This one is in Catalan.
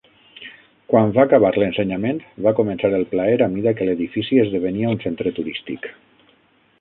Quan va acabar l'ensenyament, va començar el plaer a mida que l'edifici esdevenia un centre turístic.